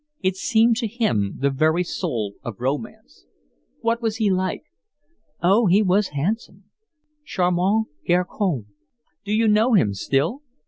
It seemed to him the very soul of romance. "What was he like?" "Oh, he was handsome. Charmant garcon." "Do you know him still?"